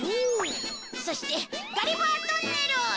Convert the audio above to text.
そしてガリバートンネル！